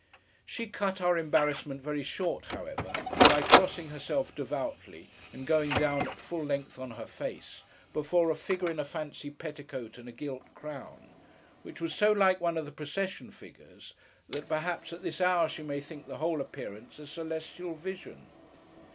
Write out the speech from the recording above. She cut our embarrassment very short, however, by crossing herself devoutly, and going down, at full length, on her face, before a figure in a fancy petticoat and a gilt crown; which was so like one of the procession figures, that perhaps at this hour she may think the whole appearance a celestial vision.